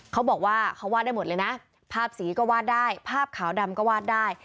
เขาบอกว่าเขาวาดได้หมดเลยนะภาพสีก็วาดได้ภาพขาวดำก็วาดได้